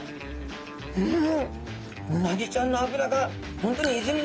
うん！